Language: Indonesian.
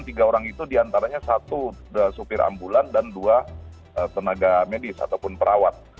tiga orang itu diantaranya satu supir ambulan dan dua tenaga medis ataupun perawat